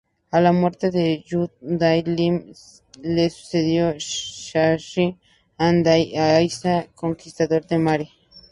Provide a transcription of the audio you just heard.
A la muerte de Yahdun-Lim le sucedió Shamshi-Adad I de Asiria, conquistador de Mari.